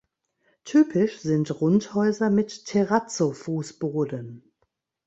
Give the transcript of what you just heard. Typisch sind Rundhäuser mit Terrazzo-Fußboden.